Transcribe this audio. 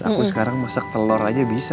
aku sekarang masak telur aja bisa